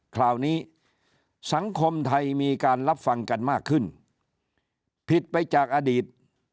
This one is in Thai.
คราวนี้สังคมไทยมีการรับฟังกันมากขึ้นผิดไปจากอดีต